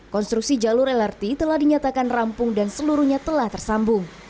konstruksi jalur lrt telah dinyatakan rampung dan seluruhnya telah tersambung